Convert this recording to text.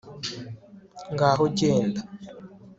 ngaho genda